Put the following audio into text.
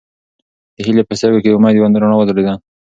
د هیلې په سترګو کې د امید یوه رڼا وځلېده.